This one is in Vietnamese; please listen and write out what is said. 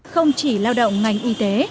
không chỉ lao động ngành y tế